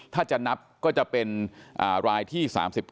ถ้าจะนับก็จะเป็นรายที่๓๙